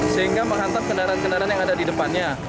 sehingga menghantam kendaraan kendaraan yang ada di depannya